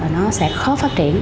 nó sẽ khó phát triển